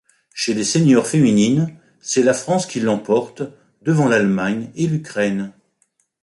Chez les séniors féminines, c'est la France qui l'emporte, devant l'Allemagne et l'Ukraine.